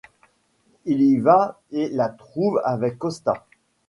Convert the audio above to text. Il y va et la trouve avec Costas.